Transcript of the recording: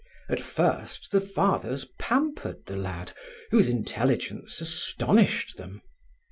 At first the Fathers pampered the lad whose intelligence astonished them.